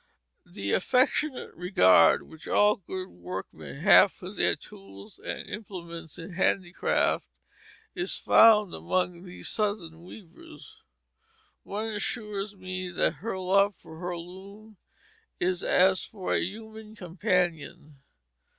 The affectionate regard which all good workmen have for their tools and implements in handcrafts is found among these Southern weavers. One assures me that her love for her loom is as for a human companion.